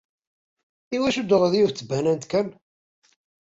Iwacu d-tuɣeḍ yiwet n tbanant kan?